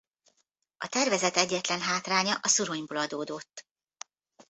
A tervezet egyetlen hátránya a szuronyból adódott.